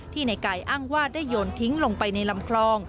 ในไก่อ้างว่าได้โยนทิ้งลงไปในลำคลอง